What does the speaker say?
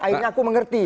akhirnya aku mengerti